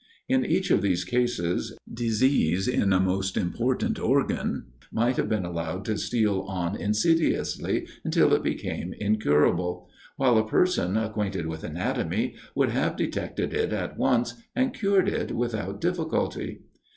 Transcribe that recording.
In each of these cases, disease in a most important organ might have been allowed to steal on insidiously, until it became incurable; while a person, acquainted with anatomy, would have detected it at once, and cured it without difficulty.